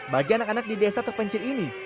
bagi anak anak di desa terpencil ini